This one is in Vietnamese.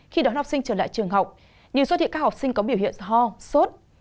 khi đón học sinh trở lại trường học nhưng xuất hiện các học sinh có biểu hiện ho sốt